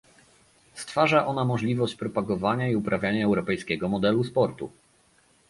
Stwarza ona możliwość propagowania i uprawiania europejskiego modelu sportu